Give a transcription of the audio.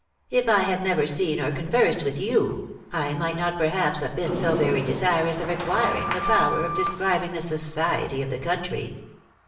"If I had never seen or conversed with you, I might not perhaps have been so very desirous of acquiring the power of describing the SOCIETY of the country.